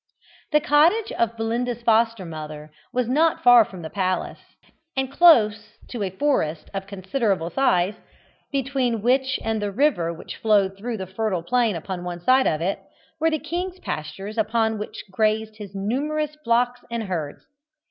The cottage of Belinda's foster mother was not far from the palace, and close to a forest of considerable size, between which and the river which flowed through the fertile plain upon one side of it, were the king's pastures upon which grazed his numerous flocks and herds.